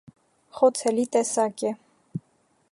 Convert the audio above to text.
Խոցելի տեսակ է։